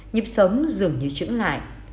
nhịp sống dường như trứng lại